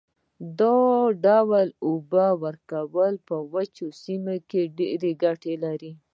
دا ډول اوبه کول په وچو سیمو کې ډېره ګټه لري.